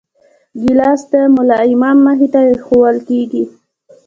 ګیلاس د ملا امام مخې ته ایښوول کېږي.